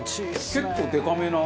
結構でかめな。